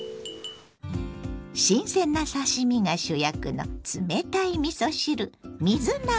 新鮮な刺身が主役の冷たいみそ汁水なます。